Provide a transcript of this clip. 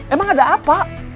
emang ada apa